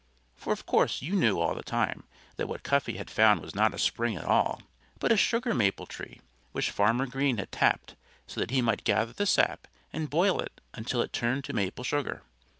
For of course you knew all the time that what Cuffy had found was not a spring at all but a sugar maple tree, which Farmer Green had tapped so that he might gather the sap and boil it until it turned to maple sugar.